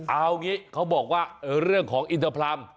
เอาอย่างงี้เขาบอกว่าเรื่องของอินเตอร์ผลัม